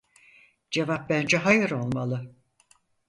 Cevap bence hayır olmalı.